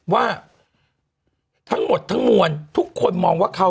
ว่าทั้งหมดทั้งมวลทุกคนมองว่าเขา